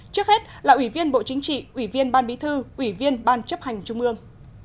trước hết là ủy viên bộ chính trị ủy viên ban bí thư ủy viên ban chấp hành trung ương